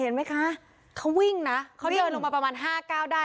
เห็นไหมคะเขาวิ่งนะเขาเดินลงมาประมาณห้าเก้าได้